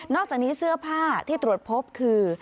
อกจากนี้เสื้อผ้าที่ตรวจพบคือ